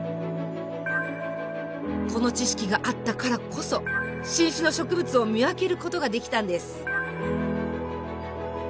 この知識があったからこそ新種の植物を見分けることができたんです。